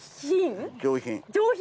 上品？